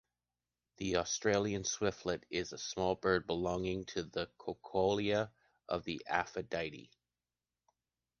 The Australian swiftlet is a small bird belonging to the Collocalia of the Apodidae.